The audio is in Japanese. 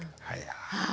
はい。